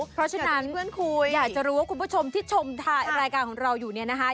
เพราะฉะนั้นเพื่อนครูอยากจะรู้ว่าคุณผู้ชมที่ชมรายการของเราอยู่เนี่ยนะคะ